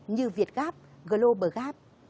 như việt gap global gap